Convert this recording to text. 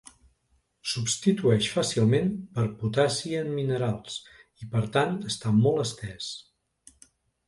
Substitueix fàcilment per potassi en minerals, i per tant està molt estès.